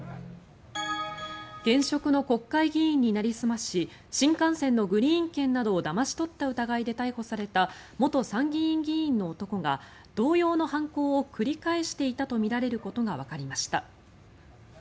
現職の国会議員になりすまし新幹線のグリーン券などをだまし取った疑いで逮捕された元参議院議員の男が同様の犯行を繰り返していたとみられることがわかりました。